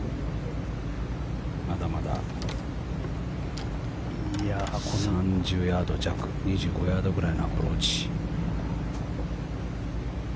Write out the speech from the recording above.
まだまだ３０ヤード弱２５ヤードぐらいのアプローチ。